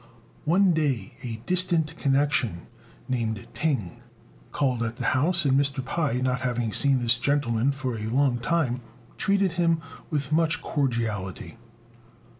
One day a distant connection, named Ting, called at the house; and Mr. Pai, not having seen this gentleman for a long time, treated him with much cordiality.